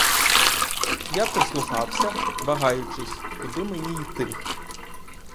Я прислухався, вагаючись, куди мені йти.